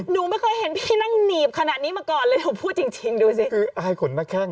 หนูไม่เคยเห็นพี่นั่งหนีบขนาดนี้มาก่อนเลยหนูพูดจริงดูสิคืออายขนหน้าแข้ง